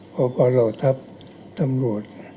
พอปรโลทัพท์ตำรวจ